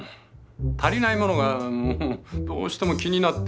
足りないものがどうしても気になって。